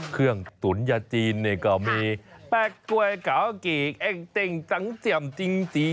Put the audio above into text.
เครื่องตุ๋นยาจีนก็มี